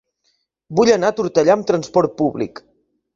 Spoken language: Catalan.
Vull anar a Tortellà amb trasport públic.